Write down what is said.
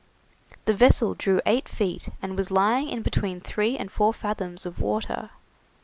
The vessel drew eight feet, and was lying in between three and four fathoms of water.